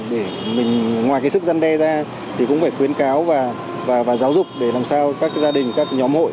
để mình ngoài cái sức gian đe ra thì cũng phải khuyến cáo và giáo dục để làm sao các gia đình các nhóm hội